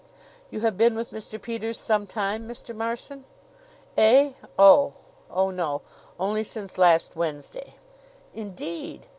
"You have been with Mr. Peters some time, Mr. Marson?" "Eh? Oh! Oh, no only since last Wednesday." "Indeed!